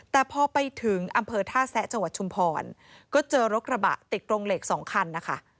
แต่พอไปถึงอำเภอท่าแซะจังหวัดชุมพรก็เจอรถกระบะติดกรงเหล็กสองคันนะคะ